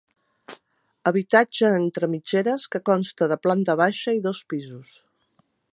Habitatge entre mitgeres que consta de planta baixa i dos pisos.